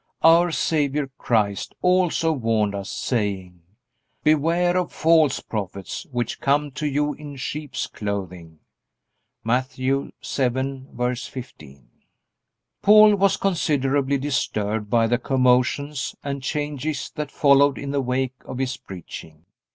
Our Savior Christ also warned us, saying: "Beware of false prophets, which come to you in sheep's clothing." (Matt. 7:15.) Paul was considerably disturbed by the commissions and changes that followed in the wake of his preaching.